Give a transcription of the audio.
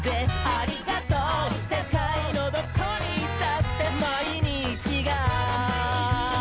「ありがとうせかいのどこにいたって」「まいにちが」